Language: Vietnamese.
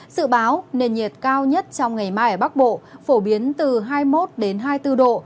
dự báo nền nhiệt cao nhất trong ngày mai ở bắc bộ phổ biến từ hai mươi một hai mươi bốn độ